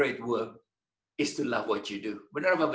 adalah mencintai apa yang anda lakukan